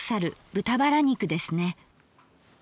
豚バラ肉ですね。